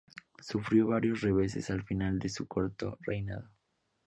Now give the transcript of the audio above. Sufrió varios reveses al final de su corto reinado.